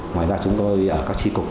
ngoài ra chúng tôi ở các tri cục